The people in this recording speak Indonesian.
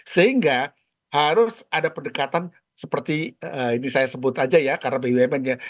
sehingga harus ada pendekatan seperti ini saya sebut aja ya karena bumn ya